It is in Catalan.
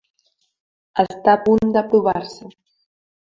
Està a punt d’aprovar-se.